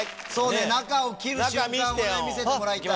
中を切る瞬間を見せてもらいたい。